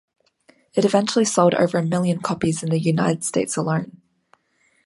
It eventually sold over a million copies in the United States alone.